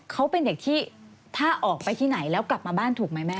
เขาเป็นเด็กที่ถ้าออกไปที่ไหนแล้วกลับมาบ้านถูกไหมแม่